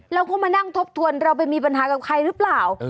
แล้วก็มานั่งทบทวนเราไปมีปัญหากับใครหรือเปล่า